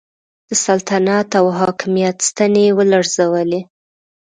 د سلطنت او حاکمیت ستنې یې ولړزولې.